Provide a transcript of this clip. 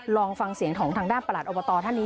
ลองฟังเสียงของทางด้านประหลัดอบตท่านนี้